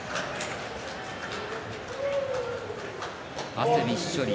汗びっしょり。